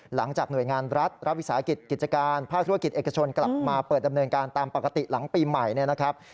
หลังจากหน่วยงานรัฐรับวิสาหกิจกิจการภาคธุรกิจเอกชนกลับมาเปิดดำเนินการตามปกติหลังปีใหม่เนี่ยนะครับ